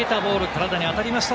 体に当たりました。